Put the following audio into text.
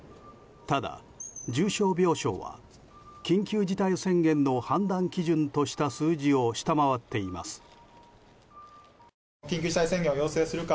ただ、重症病床は緊急事態宣言の判断基準とした数字を下回っています。